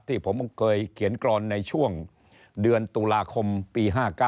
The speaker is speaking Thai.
ที่ผมเคยเขียนกรอนในช่วงเดือนตุลาคมปี๕๙